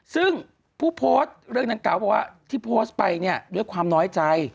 ซึ่งผู้โพดเรื่องนั้นกล่าวว่าที่โพดไปเนี่ยด้วยความน้อยใจ